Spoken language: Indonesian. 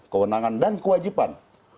kewenangan dan kewajiban